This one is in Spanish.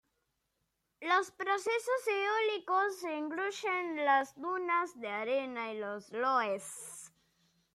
Los procesos eólicos incluyen las dunas de arena y los loess.